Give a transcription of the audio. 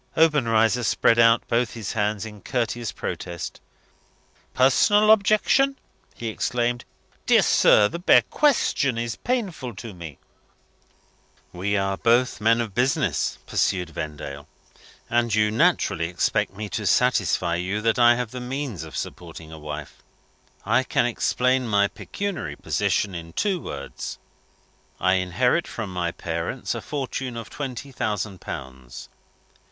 Obenreizer spread out both his hands in courteous protest. "Personal objection!" he exclaimed. "Dear sir, the bare question is painful to me." "We are both men of business," pursued Vendale, "and you naturally expect me to satisfy you that I have the means of supporting a wife. I can explain my pecuniary position in two words. I inherit from my parents a fortune of twenty thousand pounds.